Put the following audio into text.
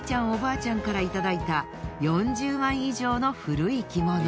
おばあちゃんからいただいた４０枚以上の古い着物。